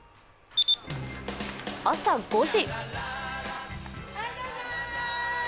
朝５時。